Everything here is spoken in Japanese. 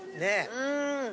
うん。